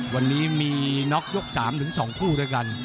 วันนี้มีน็อกยก๓ถึง๒คู่ด้วยกัน